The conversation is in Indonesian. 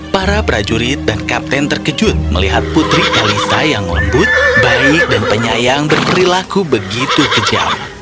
para prajurit dan kapten terkejut melihat putri elisa yang lembut baik dan penyayang berperilaku begitu kejam